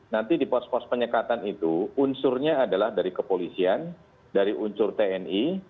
nanti di pos pos penyekatan itu unsurnya adalah dari kepolisian dari unsur tni